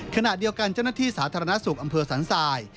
ขณะเดียวกันเจ้าหน้าที่สาธารณสุขอำเภอสันทราย